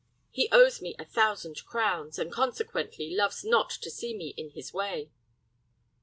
He owes me a thousand crowns, and, consequently, loves not to see me in his way."